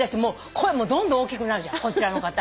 声もどんどん大きくなるじゃんこちらの方。